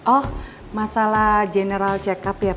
oh masalah general check up ya pak